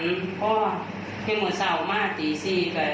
แต่พี่มัวเศร้ามาเตี๊ยวใช่ไหม